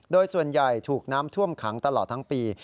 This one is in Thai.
โดยส่วนใหญ่ถูกน้ำท่วมขังตลอดทั้งปี